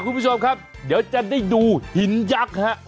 คุณผู้ชมครับเดี๋ยวจะได้ดูหินยักษ์ฮะ